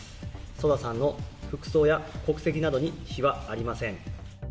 ＳＯＤＡさんの服装や国籍などに非はありません。